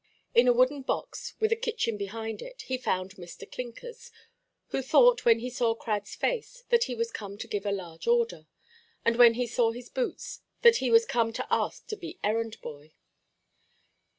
In a wooden box, with a kitchen behind it, he found Mr. Clinkers; who thought, when he saw Cradʼs face, that he was come to give a large order; and when he saw his boots, that he was come to ask to be errand–boy.